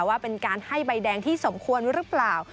ว่าเป็นการให้ใบแดงที่สมควรหรือเปล่า